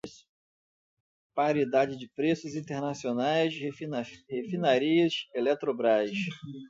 Paridade de preços internacionais, refinarias, Eletrobrás